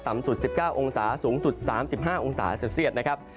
สุด๑๙องศาสูงสุด๓๕องศาเซลเซียตนะครับ